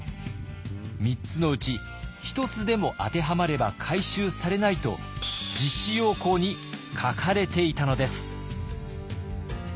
３つのうち１つでも当てはまれば回収されないと実施要綱に書かれていたのです。